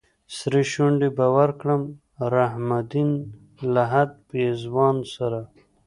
سرې شونډې به ورکړم رحم الدين لهد پېزوان سره